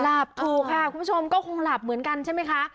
ถูกค่ะคุณผู้ชมก็คงหลับเหมือนกันใช่ไหมคะ